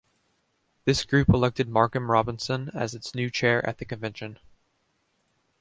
This group elected Markham Robinson as its new chair at the convention.